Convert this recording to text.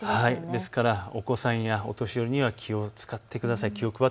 ですからお子さんやお年寄りには気をつかってください。